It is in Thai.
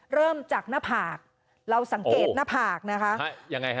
เริ่มจากหน้าผากเราสังเกตหน้าผากนะคะยังไงฮะ